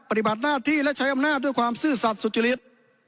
ปฏิบัติหน้าที่และใช้อำนาจด้วยความซื่อสัตว์สุจริต